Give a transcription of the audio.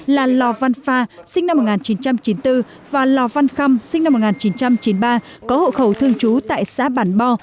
là lò văn pha sinh năm một nghìn chín trăm chín mươi bốn và lò văn khâm sinh năm một nghìn chín trăm chín mươi ba có hộ khẩu thương chú tại xã bản bo